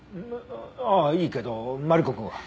あああいいけどマリコくんは？